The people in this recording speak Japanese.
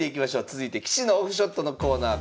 続いて棋士のオフショットのコーナー